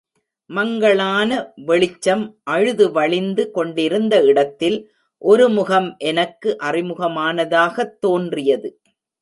மங்களான வெளிச்சம் அழுது வழிந்து கொண்டிருந்த இடத்தில் ஒரு முகம் எனக்கு அறிமுகமானதாகத் தோன்றியது.